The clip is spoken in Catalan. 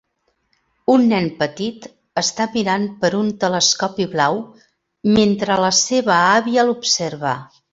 Un nen petit està mirant per un telescopi blau mentre la seva àvia l'observa.